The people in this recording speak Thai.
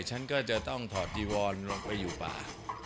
ฉันก็จะต้องถอดจีวอนลงไปอยู่ป่า